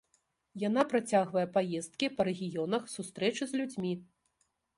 Яна працягвае паездкі па рэгіёнах, сустрэчы з людзьмі.